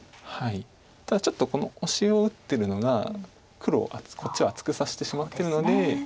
ただちょっとこのオシを打ってるのが黒こっちを厚くさせてしまってるので。